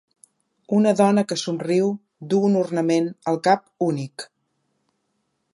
Una dona que somriu duu un ornament al cap únic